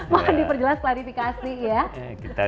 mohon diperjelas klarifikasi ya